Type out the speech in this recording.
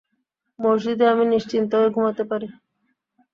মসজিদে আমি নিশ্চিন্ত হয়ে ঘুমাতে পারি।